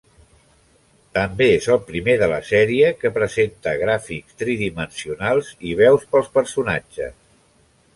També és el primer de la sèrie que presenta gràfics tridimensionals, i veus pels personatges.